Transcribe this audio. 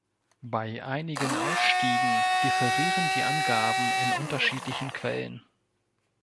Bei einigen Ausstiegen differieren die Angaben in unterschiedlichen Quellen.